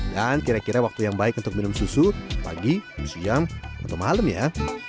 dan kira kira waktu yang baik untuk minum susu pagi siang atau malam ya